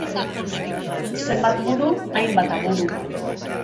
Zenbat buru, hainbat aburu.